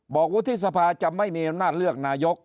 วุฒิสภาจะไม่มีอำนาจเลือกนายก